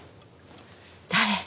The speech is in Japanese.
誰？